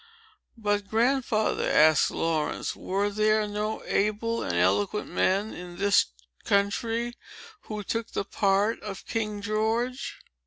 "But, Grandfather," asked Laurence, "were there no able and eloquent men in this country who took the part of King George?"